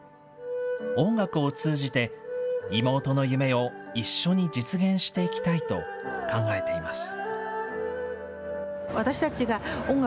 音楽を通じて、妹の夢を一緒に実現していきたいと考えています。